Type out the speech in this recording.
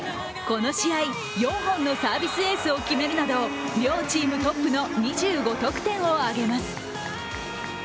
この試合、４本のサービスエースを決めるなど、両チームトップの２５得点を挙げます。